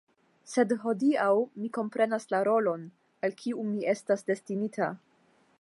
Sed hodiaŭ mi komprenas la rolon, al kiu mi estas destinita.